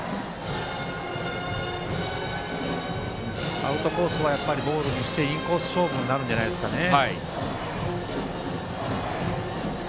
アウトコースはボールにしてインコース勝負になるんじゃないですかね。